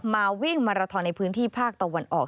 มาวิ่งมาราทอนในพื้นที่ภาคตะวันออก